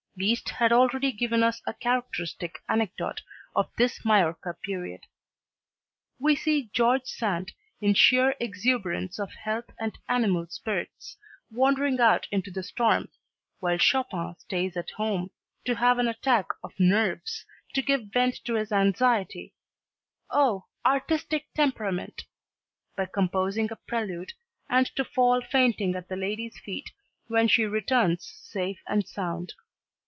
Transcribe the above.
Liszt had already given us a characteristic anecdote of this Majorca period. We see George Sand, in sheer exuberance of health and animal spirits, wandering out into the storm, while Chopin stays at home, to have an attack of "nerves," to give vent to his anxiety (oh, "artistic temperament"!) by composing a prelude, and to fall fainting at the lady's feet when she returns safe and sound.